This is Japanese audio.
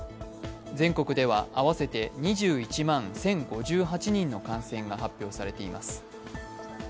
全国では合わせて２１万１０５８人の感染が発表されています。